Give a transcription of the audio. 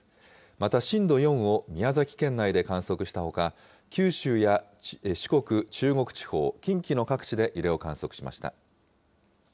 また震度４を宮崎県内で観測したほか、九州や四国、中国地方、近畿の各地で揺れを観測しました。